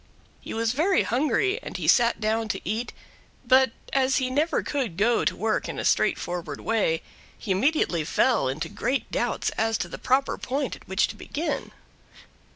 He was very hungry and he sat down to eat, but as he never could go to work in a straightforward way, he immediately fell into great doubts as to the proper point at which to begin.